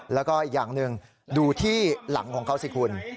แล้วก็อีกอย่างหนึ่งดูที่หลังของเขาสิคุณ